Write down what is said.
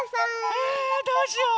えどうしよう！